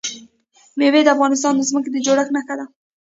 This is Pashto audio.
مېوې د افغانستان د ځمکې د جوړښت نښه ده.